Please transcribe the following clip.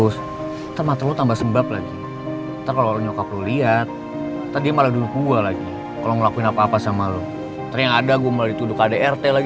sampai jumpa di video selanjutnya